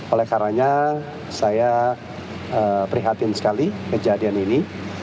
oleh karanya saya prihatin sekali kejadian ini